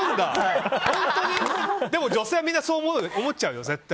でも女性はみんなそう思っちゃうよ。